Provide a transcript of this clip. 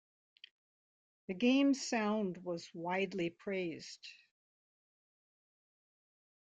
The game's sound was widely praised.